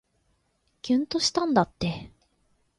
きゅんとしたんだって